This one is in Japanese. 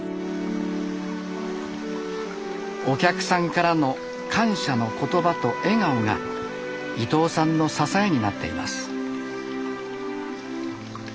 お客さんからの感謝の言葉と笑顔が伊藤さんの支えになっています。